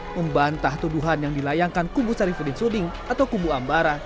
membantah tuduhan yang dilayangkan kubu sarifudin suding atau kubu ambara